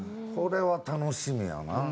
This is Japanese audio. これは楽しみやな。